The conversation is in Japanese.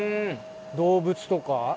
動物とか？